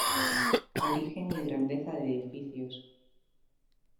Origen y grandeza de edificios.